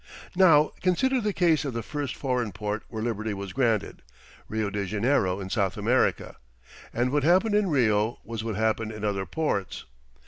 Now consider the case of the first foreign port where liberty was granted, Rio de Janeiro in South America; and what happened in Rio was what happened in other ports.